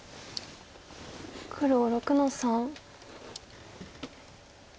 黒６の三。